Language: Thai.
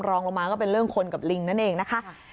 รองลงมาก็เป็นเรื่องคนกับลิงนั่นเองนะคะ